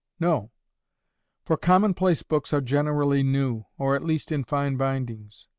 No; for commonplace books are generally new, or at least in fine bindings.